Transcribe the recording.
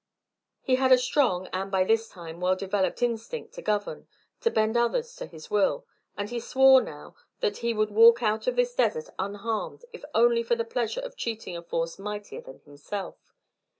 He had a strong, and by this time, well developed instinct to govern, to bend others to his will, and he swore now that he would walk out of this desert unharmed if only for the pleasure of cheating a force mightier than himself.